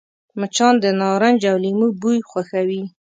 مچان د نارنج او لیمو بوی خوښوي